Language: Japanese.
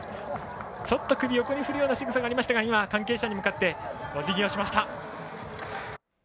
ちょっと首を横に振るしぐさがありましたが関係者に向かっておじぎをしました。